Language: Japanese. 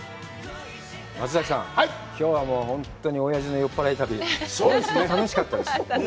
松崎さん、きょうは本当におやじの酔っ払い旅、楽しかったです。